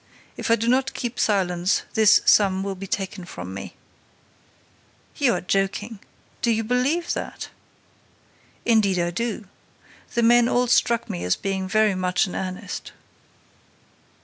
If I do not keep silence, this sum will be taken from me." "You are joking! Do you believe that?" "Indeed I do. The men all struck me as being very much in earnest."